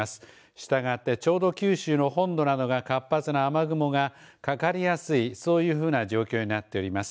したがってちょうど九州の本土などが活発な雨雲がかかりやすいそういう風な状況になっております。